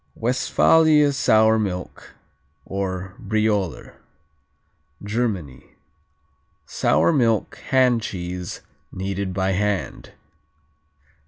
Westphalia Sour Milk, or Brioler Germany Sour milk hand cheese, kneaded by hand.